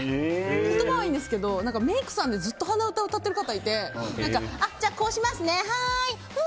言葉はいいんですけどメイクさんでずっと鼻歌を歌ってる方いてこうしますね、はーい。